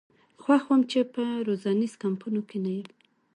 خوښ وم چې په روزنیزو کمپونو کې نه یم.